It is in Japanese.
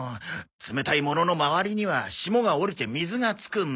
冷たいものの周りには霜が降りて水が付くんだ。